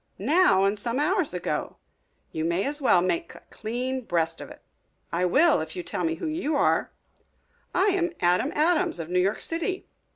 "Now and some hours ago. You may as well make a clean breast of it." "I will, If you will tell me who you are." "I am Adam Adams, of New York City."